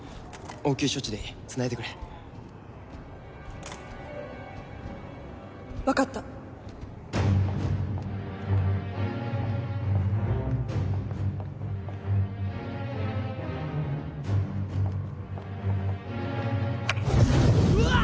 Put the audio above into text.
応急処置でいいつないでくれ分かったうわっ！